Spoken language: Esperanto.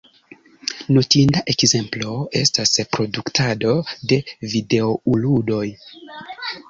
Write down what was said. Notinda ekzemplo estas produktado de videoludoj.